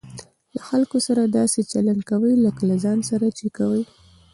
له خلکو سره داسي چلند کوئ؛ لکه له ځان سره چې کوى.